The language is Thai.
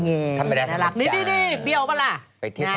ไงน่ารักนี่เบี้ยวป่ะล่ะ